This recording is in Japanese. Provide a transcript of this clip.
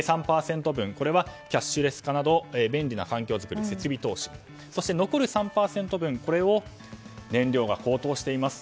３％、これはキャッシュレス化など便利な環境作り、設備投資そして残る３％分を燃料が高騰しています